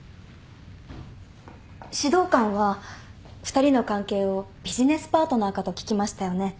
指導官は２人の関係をビジネスパートナーかと聞きましたよね。